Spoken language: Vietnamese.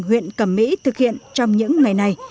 huyện cẩm mỹ thực hiện trong những ngày này